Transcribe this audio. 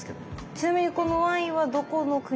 ちなみにこのワインはどこの国の？